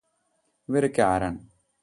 ഇവരൊക്കെ ആരാണ്